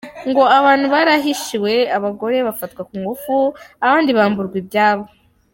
Ngo abantu barahiciwe, abagore bafatwa ku ngufu abandi bamburwa ibyabo.